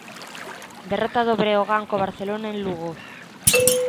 Derrota do Breogán co Barcelona en Lugo.